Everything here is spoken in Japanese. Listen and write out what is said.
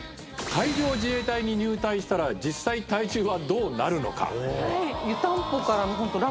海上自衛隊に入隊したら尊体重はどうなるのか！？」